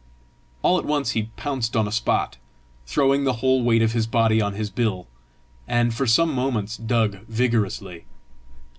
All at once he pounced on a spot, throwing the whole weight of his body on his bill, and for some moments dug vigorously.